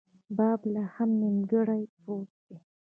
باب لا هم نیمګړۍ پروت دی.